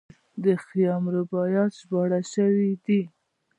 د خیام رباعیات ژباړل شوي دي.